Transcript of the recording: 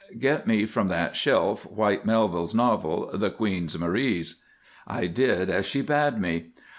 Get me from that shelf Whyte Melville's novel, 'The Queen's Maries.'" I did as she bade me.